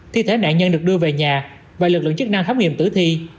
thi thể nạn nhân được đưa về nhà và lực lượng chức năng khám nghiệm tử thi